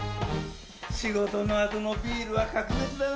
仕事の後のビールは格別だなぁ！